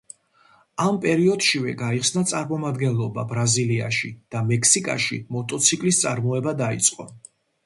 ამ პერიოდშივე გაიხსნა წარმომადგენლობა ბრაზილიაში და მექსიკაში მოტოციკლის წარმოება დაიწყო.